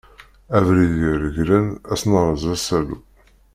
Abrid i reglen, ad s-nerreẓ asalu.